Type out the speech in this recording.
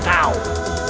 jack cilik tonga